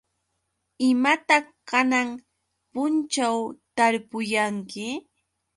¿Imataq kanan punćhaw tarpuyanki?